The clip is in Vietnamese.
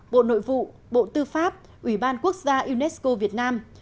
bộ nội vụ bộ tư pháp ủy ban quốc gia unesco việt nam